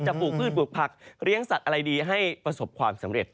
ปลูกพืชปลูกผักเลี้ยงสัตว์อะไรดีให้ประสบความสำเร็จ